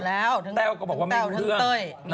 แล้วแต้วก็บอกว่าไม่รู้เรื่อง